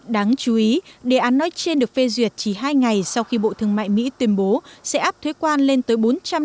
đáng chú ý đề án nói trên được phê duyệt chỉ hai ngày sau khi bộ thương mại mỹ tuyên bố sẽ áp thuế quan lên tới bốn trăm năm mươi